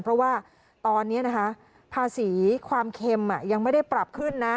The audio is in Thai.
เพราะว่าตอนนี้นะคะภาษีความเค็มยังไม่ได้ปรับขึ้นนะ